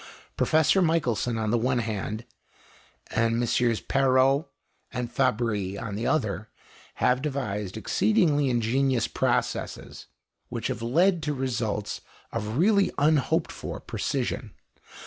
Professor Michelson, on the one hand, and MM. Perot and Fabry, on the other, have devised exceedingly ingenious processes, which have led to results of really unhoped for precision.